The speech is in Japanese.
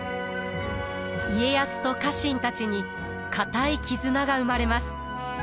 家康と家臣たちに固い絆が生まれます。